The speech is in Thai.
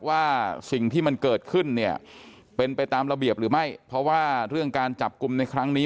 ว่าสิ่งที่มันเกิดขึ้นเนี่ยเป็นไปตามระเบียบหรือไม่เพราะว่าเรื่องการจับกลุ่มในครั้งนี้